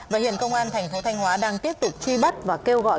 và hiện công an thành phố thanh hóa đang tiếp tục truy bắt và kêu gọi